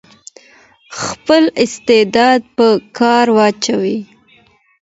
خپل استعداد په کار واچوئ.